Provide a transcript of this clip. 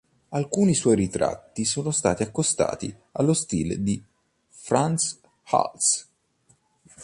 Alcuni suoi ritratti sono stati accostati allo stile di Frans Hals.